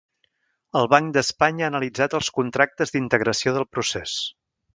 El Banc d'Espanya ha analitzat els contractes d'integració del procés.